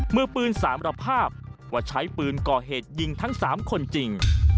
มือปืนสารภาพว่าใช้ปืนก่อเหตุยิงทั้ง๓คนจริง